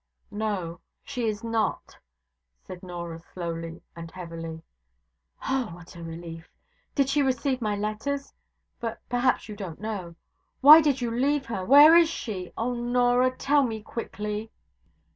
'No, she is not,' said Norah, slowly and heavily. 'Oh, what a relief! Did she receive my letters? But perhaps you don't know. Why did you leave her? Where is she? Oh, Norah, tell me all quickly!'